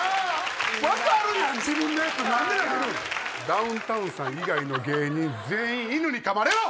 ダウンタウンさん以外の芸人全員犬にかまれろ！